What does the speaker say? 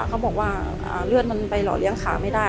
เขาบอกว่าเลือดมันไปหล่อเลี้ยงขาไม่ได้